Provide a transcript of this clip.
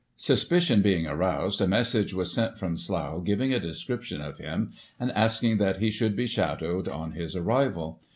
Suspicion being aroused, a message was sent from Slough, giving a description of him, and asking that he should be shadowed on his arrival.